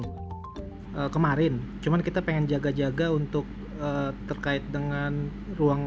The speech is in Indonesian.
beberapa dengan jawaban menggantung